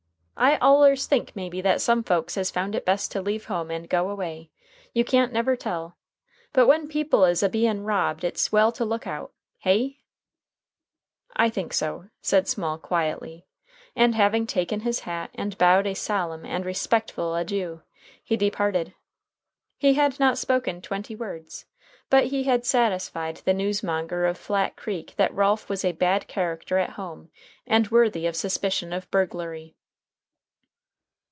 "I allers think, maybe, that some folks has found it best to leave home and go away. You can't never tell. But when people is a bein' robbed it's well to lookout. Hey?" "I think so," said Small quietly, and, having taken his hat and bowed a solemn and respectful adieu, he departed. He had not spoken twenty words, but he had satisfied the news monger of Flat Creek that Ralph was a bad character at home and worthy of suspicion of burglary.